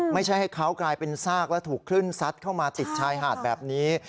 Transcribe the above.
ไม่ใช่ให้เขากลายเป็นซากและถูกคลื่นซัดเข้ามาติดชายหาดแบบนี้